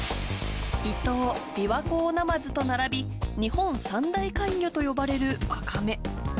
イトウ、ビワコオオナマズと並び、日本三大怪魚と呼ばれるアカメ。